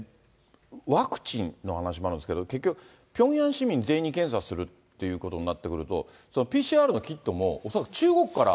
ワクチンの話もあるんですけど、結局、ピョンヤン市民全員に検査するっていうことになってくると、ＰＣＲのキットも恐らく中国から。